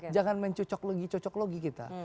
jangan main cocok logi cocok logi kita